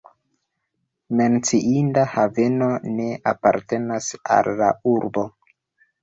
Menciinda haveno ne apartenas al la urbo.